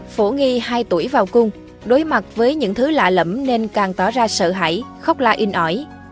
phổ nghi hai tuổi vào cung đối mặt với những thứ lạ lẫm nên càng tỏ ra sợ hãi khóc la in ỏi